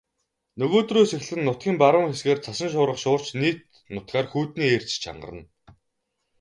Нөгөөдрөөс эхлэн нутгийн баруун хэсгээр цасан шуурга шуурч нийт нутгаар хүйтний эрч чангарна.